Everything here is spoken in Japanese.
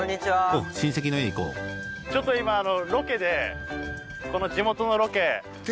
お親戚の家行こうちょっと今ロケで地元のロケ。